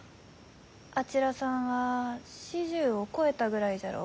あちらさんは４０を超えたぐらいじゃろうか。